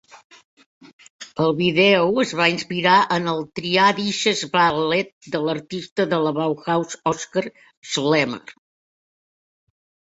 El vídeo es va inspirar en el "Triadisches Ballett", de l'artista de la Bauhaus Oskar Schlemmer.